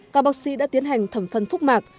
các bác sĩ đã tiến hành thẩm phân khúc mạc